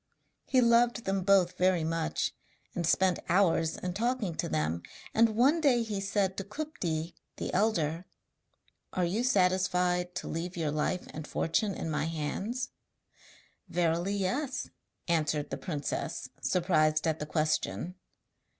He loved them both very much, and spent hours in talking to them, and one day he said to Kupti, the elder: 'Are you satisfied to leave your life and fortune in my hands?' 'Verily yes,' answered the princess, surprised at the question.